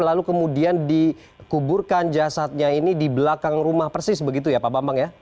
lalu kemudian dikuburkan jasadnya ini di belakang rumah persis begitu ya pak bambang ya